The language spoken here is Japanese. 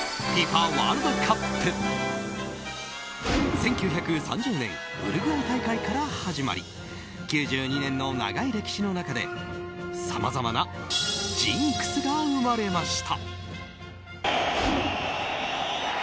１９３０年ウルグアイ大会から始まり９２年の長い歴史の中でさまざまなジンクスが生まれました。